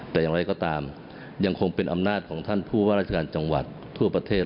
แต่อย่างไรก็ตามยังคงเป็นอำนาจของท่านผู้ว่าราชการจังหวัดทั่วประเทศ